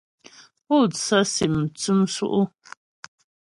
Pú tsə́sim m cʉ́m sʉ́' ʉ́ ?